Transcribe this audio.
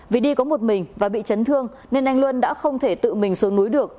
vì đi có một mình và bị chấn thương nên anh luân đã không thể tự mình xuống núi được